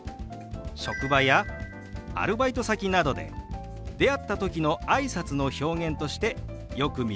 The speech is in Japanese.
職場やアルバイト先などで出会った時のあいさつの表現としてよく見られるフレーズなんですよ。